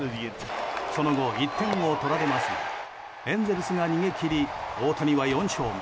その後、１点を取られますがエンゼルスが逃げ切り大谷は４勝目。